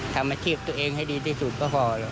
ทำอาชีพตัวเองให้ดีที่สุดก็พอ